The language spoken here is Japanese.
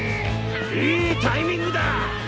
いいタイミングだ。